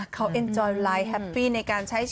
ถามว่าแฮปปี้ไหม